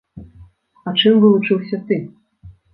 А чым вылучыўся ты?